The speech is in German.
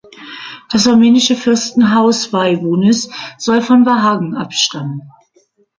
Das armenische Fürstenhaus Vahevunis soll von Vahagn abstammen.